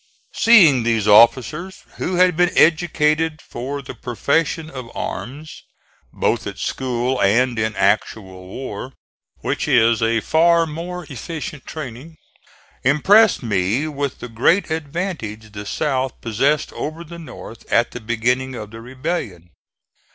Seeing these officers who had been educated for the profession of arms, both at school and in actual war, which is a far more efficient training, impressed me with the great advantage the South possessed over the North at the beginning of the rebellion.